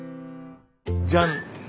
じゃん！